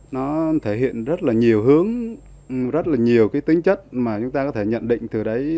nó thể hiện rất là nhiều hướng rất là nhiều cái tính chất mà chúng ta có thể nhận định từ đấy